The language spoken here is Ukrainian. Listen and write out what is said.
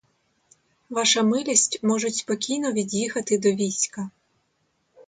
Ваша милість можуть спокійно від'їхати до війська.